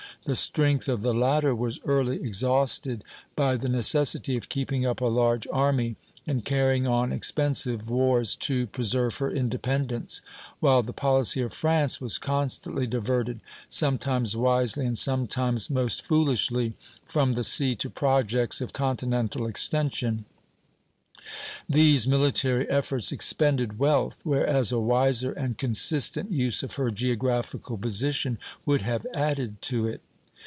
The strength of the latter was early exhausted by the necessity of keeping up a large army and carrying on expensive wars to preserve her independence; while the policy of France was constantly diverted, sometimes wisely and sometimes most foolishly, from the sea to projects of continental extension. These military efforts expended wealth; whereas a wiser and consistent use of her geographical position would have added to it.